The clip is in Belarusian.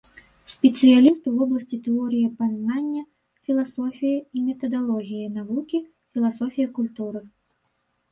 Спецыяліст у вобласці тэорыі пазнання, філасофіі і метадалогіі навукі, філасофіі культуры.